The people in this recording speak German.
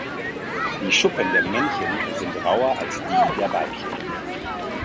Die Schuppen der Männchen sind rauer als die der Weibchen.